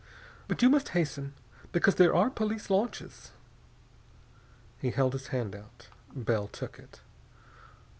But you must hasten, because there are police launches." He held out his hand. Bell took it.